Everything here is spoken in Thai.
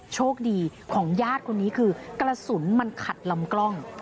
โชคดีของญาติคนนี้คือกระสุนมันขัดลำกล้อง